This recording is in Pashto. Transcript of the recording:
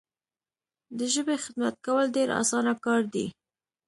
د ژبي خدمت کول ډیر اسانه کار دی.